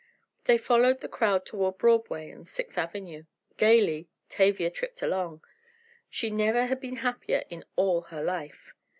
They followed the crowd toward Broadway and Sixth Avenue. Gaily Tavia tripped along. She never had been happier in all her life.